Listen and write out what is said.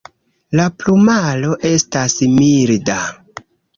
La plumaro estas milda.